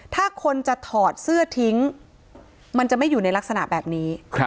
ถ้าคนจะถอดเสื้อทิ้งมันจะไม่อยู่ในลักษณะแบบนี้